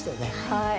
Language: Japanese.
はい。